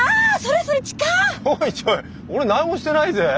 ちょいちょい俺何もしてないぜ。